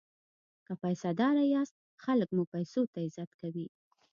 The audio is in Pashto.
که پیسه داره یاست خلک مو پیسو ته عزت کوي.